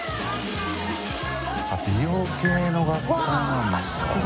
美容系の学校なんだ。